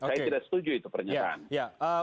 saya tidak setuju itu pernyataan